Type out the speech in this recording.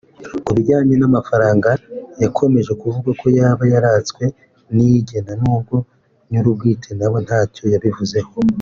Ku bijyanye n’amafaranga yakomeje kuvugwa ko yaba yaratswe Niyigena n’ubwo nyir’ubwite nawe ntacyo yabivuzeho